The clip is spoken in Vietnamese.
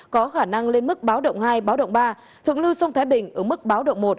có khả năng lên mức báo động hai báo động ba thượng lưu sông thái bình ở mức báo động một